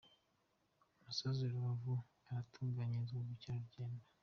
Umusozi wa Rubavu uratunganyirizwa ubukerarugendo